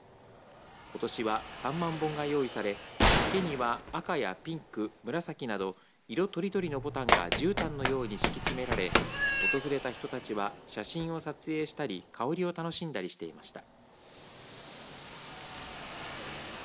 ことしは３万本が用意され池には赤やピンク、紫など色とりどりのぼたんがじゅうたんのように敷き詰められ訪れた人たちは写真を撮影したり香りを楽しんだりしていました。